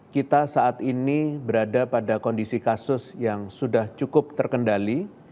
kita saat ini berada pada kondisi kasus yang sudah cukup terkendali